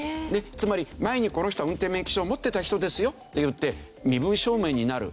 つまり前にこの人は運転免許証を持ってた人ですよっていって身分証明になるというわけですね。